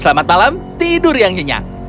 selamat malam tidur yang nyenyak